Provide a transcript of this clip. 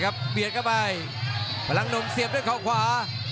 เบียดเข้าไปพลังหนุ่มเสียบด้วยเขาขวา